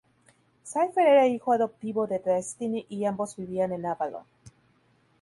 Cypher era el hijo adoptivo de Destiny, y ambos vivían en Avalon.